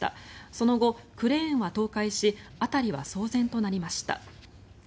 その後、クレーンは倒壊し辺りは騒然となりました。